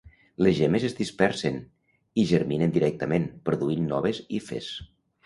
Les gemmes es dispersen, i germinen directament, produint noves hifes.